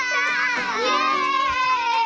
イエイ！